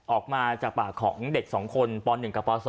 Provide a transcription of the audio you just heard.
ออกมาจากปากของเด็ก๒คนป๑กับป๒